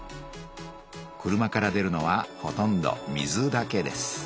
車から出るのはほとんど水だけです。